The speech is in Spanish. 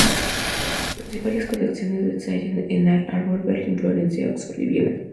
Las principales colecciones se hallan en Ann Arbor, Berlín, Florencia, Oxford y Viena.